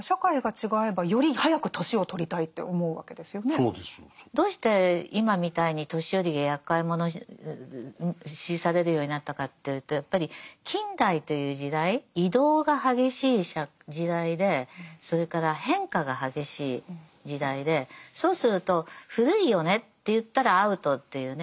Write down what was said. そうですよ。どうして今みたいに年寄りがやっかい者視されるようになったかというとやっぱり近代という時代移動が激しい時代でそれから変化が激しい時代でそうすると古いよねっていったらアウトっていうね。